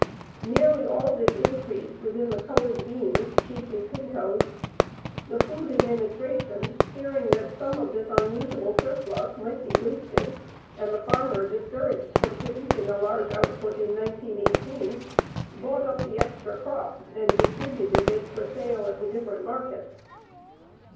Nearly all this increase was in the colored beans, chiefly pintos. The Food Administration, fearing that some of this unusual surplus might be wasted and the farmer discouraged from producing a large output in 1918, bought up the extra crop and distributed it for sale at the different markets.